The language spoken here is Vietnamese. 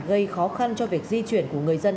gây khó khăn cho việc di chuyển của người dân